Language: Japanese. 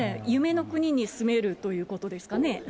夢の国に住めるということですかね。